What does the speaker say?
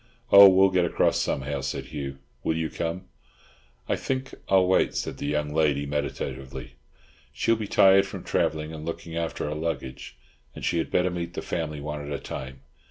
"Oh, we'll get across somehow," said Hugh, "will you come?" "I think I'll wait," said the young lady meditatively, "She'll be tired from travelling and looking after her luggage, and she had better meet the family one at a time.